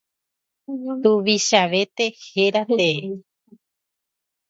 Tuvichavete héra tee.